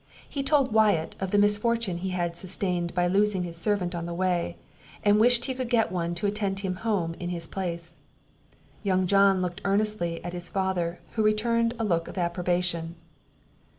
He told Wyatt of the misfortune he had sustained by losing his servant on the way, and wished he could get one to attend him home in his place. Young John looked earnestly at his father, who returned a look of approbation.